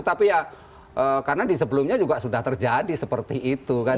tapi ya karena di sebelumnya juga sudah terjadi seperti itu kan